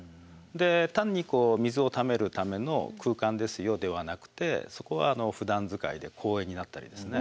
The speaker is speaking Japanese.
単に「水をためるための空間ですよ」ではなくてそこはふだん使いで公園になったりですね